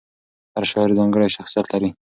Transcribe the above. هر شاعر ځانګړی شخصیت لري.